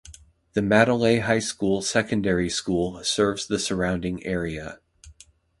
The Madeley high school secondary school serves the surrounding area.